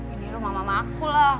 ini rumah mama aku lah